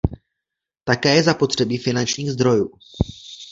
Také je zapotřebí finančních zdrojů.